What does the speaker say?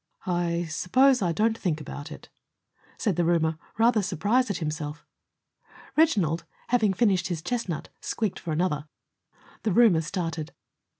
I I suppose I don't think about it," said the roomer, rather surprised at himself. Reginald, having finished his chestnut, squeaked for another. The roomer started.